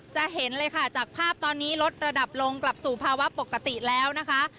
จะเห็นเลยค่ะจากภาพตอนนี้ลดระดับลงกลับสู่ภาวะปกติแล้วนะคะ